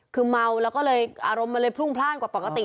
คือเมาอารมณ์มันเลยพรุ่งพล่านกว่าปกติ